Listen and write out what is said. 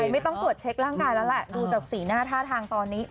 ไม่ต้องตรวจเช็คร่างกายแล้วแหละดูจากสีหน้าท่าทางตอนนี้